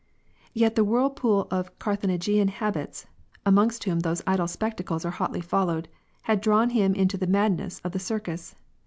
Yet the whirlpool of Carthaginian habits (amongst whom those idle spectacles are hotly followed) had drawn him into the madness of the Circus.